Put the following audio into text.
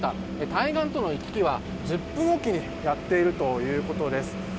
対岸との行き来は１０分おきにやっているということです。